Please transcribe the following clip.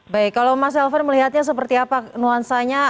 baik kalau mas elvan melihatnya seperti apa nuansanya